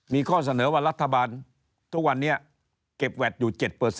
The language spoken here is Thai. มีข้อเสนอว่ารัฐบาลทุกวันนี้เก็บแวดอยู่๗